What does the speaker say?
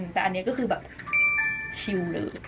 แต่อันนี้ก็คือแบบชิลเลย